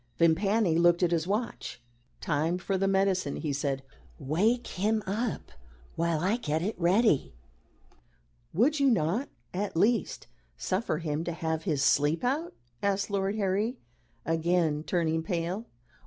Vimpany looked at his watch. "Time for the medicine," he said. "Wake him up while I get it ready." "Would you not at least suffer him to have his sleep out?" asked Lord Harry, again turning pale.